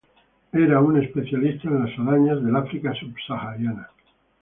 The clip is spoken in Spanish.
Era un especialista en las arañas del África subsahariana.